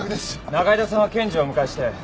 仲井戸さんは検事をお迎えして。